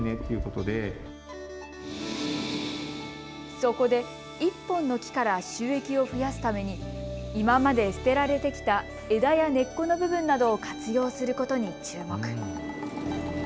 そこで収益を増やすために、今まで捨てられてきた枝や根っこの部分などを活用することに注目。